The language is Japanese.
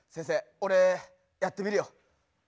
俺やってみるよ